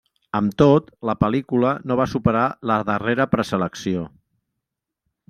Amb tot, la pel·lícula no va superar la darrera preselecció.